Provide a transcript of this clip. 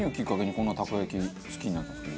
こんなにたこ焼き好きになったんですか？